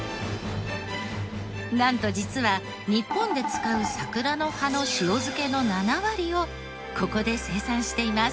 なんと実は日本で使う桜の葉の塩漬けの７割をここで生産しています。